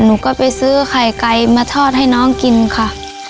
หนูก็ไปซื้อไข่ไก่มาทอดให้น้องกินค่ะ